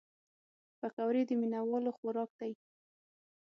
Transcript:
پکورې د مینهوالو خوراک دی